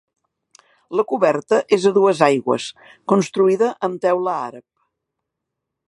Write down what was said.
La coberta és a dues aigües, construïda amb teula àrab.